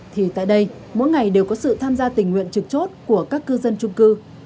thì tại đây mỗi ngày đều có sự tham gia tình nguyện trực chốt của các cư dân trung cư